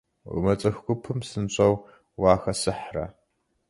Умыцӏыху гупым псынщӏэу уахэсыхьрэ?